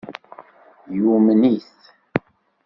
Yumen-it.